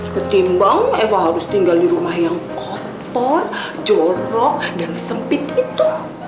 ketimbang eva harus tinggal di rumah yang kotor jorok dan sempit itu